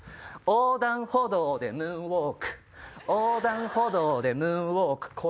横断歩道でムーンウォーク横断歩道でムーンウォーク